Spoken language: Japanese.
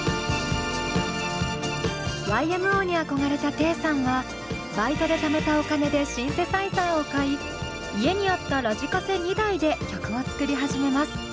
ＹＭＯに憧れたテイさんはバイトでためたお金でシンセサイザーを買い家にあったラジカセ２台で曲を作り始めます。